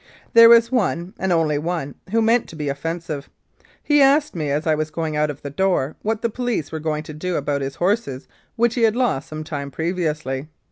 There was one, and only one, who meant to be offensive. He asked me as I was going out of the door what the police were going to do about his horses which he had lost some time previously.